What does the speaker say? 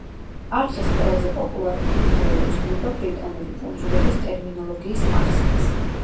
არხის ყველაზე პოპულარული ვიდეო ეძღვნება ბრიტანული კუნძულების ტერმინოლოგიის ახსნას.